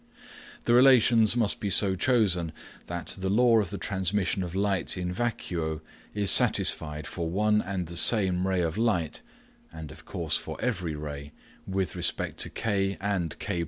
The relations must be so chosen that the law of the transmission of light in vacuo is satisfied for one and the same ray of light (and of course for every ray) with respect to K and K1.